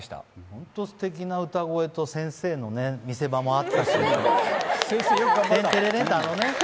本当にすてきな歌声と、先生の見せ場もあったし。